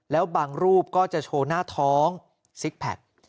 แล้วบางรูปก็จะโชว์หน้าท้องซิกแพค